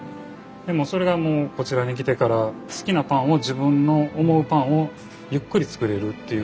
でもそれがもうこちらに来てから好きなパンを自分の思うパンをゆっくり作れるっていうふうに。